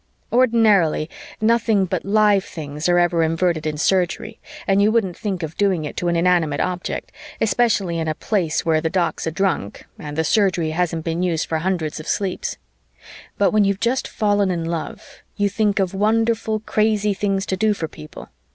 Ordinarily, nothing but live things are ever Inverted in Surgery and you wouldn't think of doing it to an inanimate object, especially in a Place where the Doc's a drunk and the Surgery hasn't been used for hundreds of sleeps. But when you've just fallen in love, you think of wonderful crazy things to do for people.